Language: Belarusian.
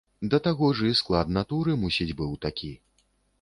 Да таго ж і склад натуры мусіць быў такі.